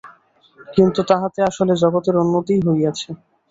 কিন্তু তাহাতে আসলে জগতের উন্নতিই হইয়াছে।